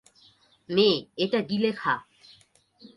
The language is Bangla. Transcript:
নে, এটা গিলে খা!